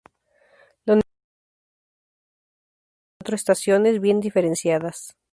La universidad goza de un clima templado con cuatro estaciones bien diferenciadas.